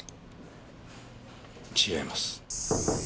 違います。